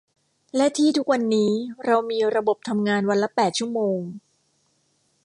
และที่ทุกวันนี้เรามีระบบทำงานวันละแปดชั่วโมง